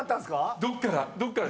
どっから？